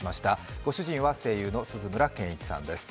ご主人は声優の鈴村健一さんです。